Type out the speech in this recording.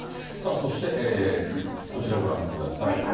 さあそして、こちらご覧ください。